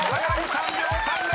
３秒３０！］